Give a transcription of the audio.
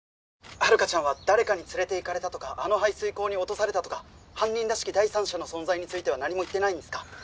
「遥香ちゃんは誰かに連れていかれたとかあの排水溝に落とされたとか犯人らしき第三者の存在については何も言ってないんですか？」